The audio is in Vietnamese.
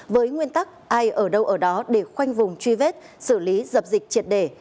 với nguyên tắc ai ở đâu ở đó để khoanh vùng truy vết xử lý dập dịch triệt đề